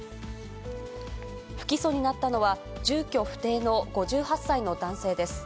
不起訴になったのは、住居不定の５８歳の男性です。